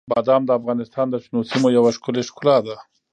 بادام د افغانستان د شنو سیمو یوه ښکلې ښکلا ده.